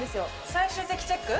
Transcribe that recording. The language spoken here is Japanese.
最終的チェック？